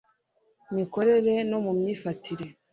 mikorere no mu myifatire